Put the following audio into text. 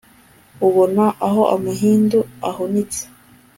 ubona aho amahindu ahunitse